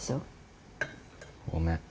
ごめん。